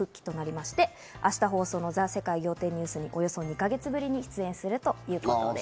して明日の『ザ！世界仰天ニュース』におよそ２か月ぶりに出演するということです。